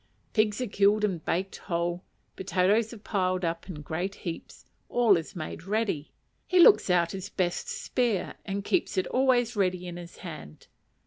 Pigs are killed and baked whole, potatoes are piled up in great heaps, all is made ready; he looks out his best spear, and keeps it always ready in his hand.